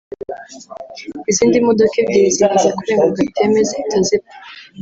izindi modoka ebyiri zimaze kurenga ka gateme zihita zipfa